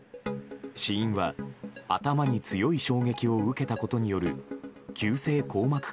死因は、頭に強い衝撃を受けたことによる急性硬膜